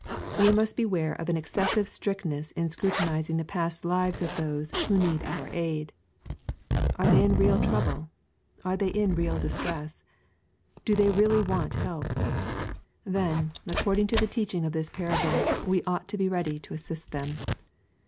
We must beware of an excessive strictness in scrutinizing the past lives of those who need our aid. Are they in real trouble ? Are they in real distress ? Do they really want help ? Then, according to the teaching of this parable, we ought to be ready to assist them.